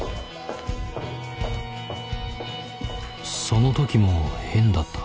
そのときも変だった。